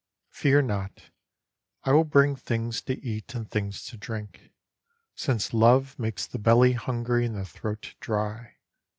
Fear not. I will bring things to eat and things to drink ; Since love makes the belly hungry and the throat dry.